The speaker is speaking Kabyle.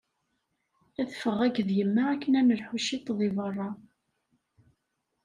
Ad ffɣeɣ akked yemma akken ad nelḥu ciṭ deg berra.